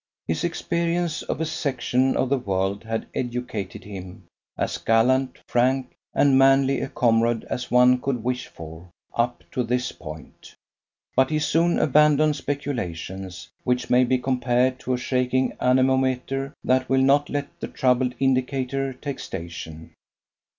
His experience of a section of the world had educated him as gallant, frank, and manly a comrade as one could wish for up to this point. But he soon abandoned speculations, which may be compared to a shaking anemometer that will not let the troubled indicator take station.